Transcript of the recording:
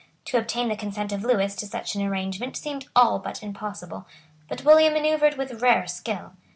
To obtain the consent of Lewis to such an arrangement seemed all but impossible; but William manoeuvred with rare skill.